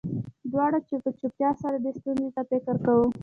دواړو په چوپتیا سره دې ستونزې ته فکر کاوه